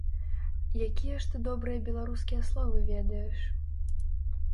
Якія ж ты добрыя беларускія словы ведаеш!